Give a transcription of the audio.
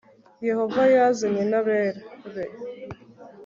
yehova yazanye n'abera be